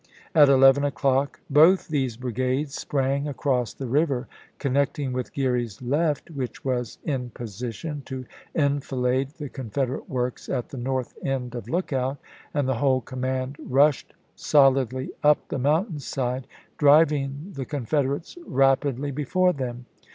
Nov.25,1863. At eleven o'clock both these brigades sprang across the river, connecting with Geary's left, which was in position to enfilade the Confederate works at the north end of Lookout, and the whole command rushed solidly up the mountain side driving the Confederates rapidly before them.